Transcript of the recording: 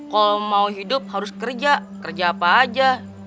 kalau mau hidup harus kerja kerja apa aja